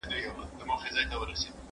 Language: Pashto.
زه مخکي لوښي وچولي وو!؟